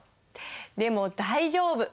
でも大丈夫。